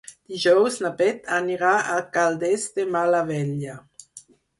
Dijous na Bet anirà a Caldes de Malavella.